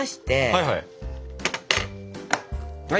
はいはい。